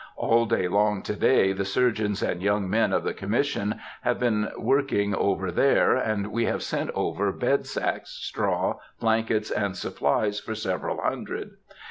All day long to day the surgeons and young men of the Commission have been working over there, and we have sent over bed sacks, straw, blankets, and supplies for several hundred.